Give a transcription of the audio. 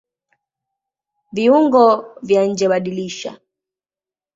Viungo vya njeBadilisha